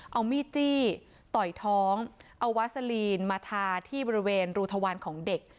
เอามีดจี้ต่อยท้องเอาวาซาลีนมาทาที่บริเวณรูทวารของเด็ก